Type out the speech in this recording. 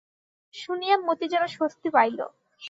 শুনিয়া মতি যেন স্বস্তি পাইল।